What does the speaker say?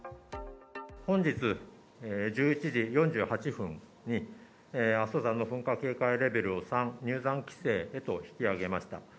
本日１１時４８分に、阿蘇残の噴火警戒レベルを３、入山規制に引き上げました。